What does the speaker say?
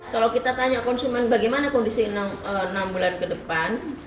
kalau kita tanya konsumen bagaimana kondisi enam bulan ke depan